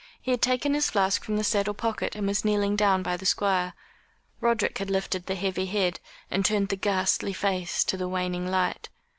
He had taken his flask from the saddle pocket, and was kneeling down by the Squire. Roderick had lifted the heavy head, and turned the ghastly face to the waning light.